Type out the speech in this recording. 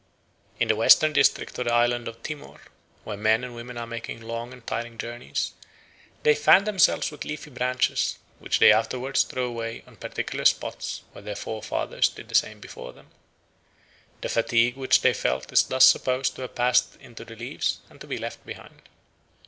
In the western district of the island of Timor, when men or women are making long and tiring journeys, they fan themselves with leafy branches, which they afterwards throw away on particular spots where their forefathers did the same before them. The fatigue which they felt is thus supposed to have passed into the leaves and to be left behind.